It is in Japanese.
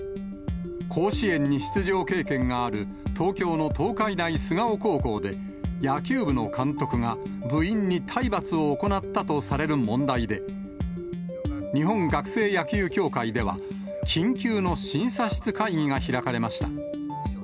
甲子園に出場経験がある東京の東海大菅生高校で、野球部の監督が、部員に体罰を行ったとされる問題で、日本学生野球協会では緊急の審査室会議が開かれました。